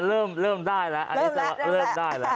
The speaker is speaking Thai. อุ๊ยเริ่มได้แล้วเริ่มได้แล้ว